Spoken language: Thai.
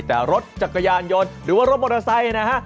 แต่รถจักรยานยนต์หรือว่ารถมอเตอร์ไซค์นะฮะ